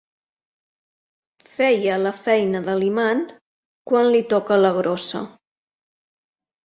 Feia la feina de l'imant quan li toca la grossa.